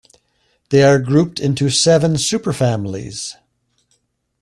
They are grouped into seven superfamilies.